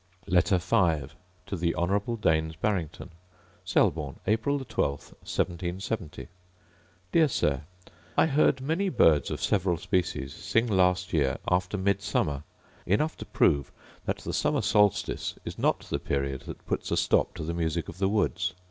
Letter V To The Honourable Daines Barrington Selborne, April 12, 1770. Dear Sir, I heard many birds of several species sing last year after Midsummer; enough to prove that the summer solstice is not the period that puts a stop to the music of the woods.